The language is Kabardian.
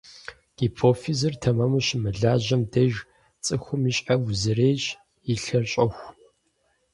Гипофизыр тэмэму щымылажьэм деж цӀыхум и щхьэр узырейщ, и лъэр щӀоху.